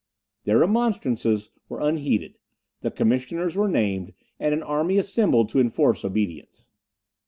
Their remonstrances were unheeded; the commissioners were named, and an army assembled to enforce obedience.